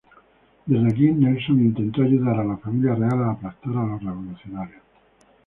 Desde aquí Nelson intentó ayudar a la familia real a aplastar a los revolucionarios.